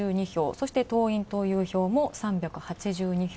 そして、党員・党友票も３８２票。